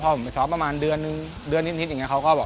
พอผมไปซ้อมประมาณเดือนนึงเดือนนิดอย่างนี้เขาก็บอก